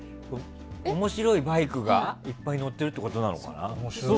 面白いバイクがいっぱい載ってるっていうことなのかな？